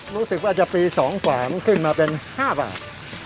รู้สึกว่าจะปี๒๓ขึ้นมาเป็น๕บาท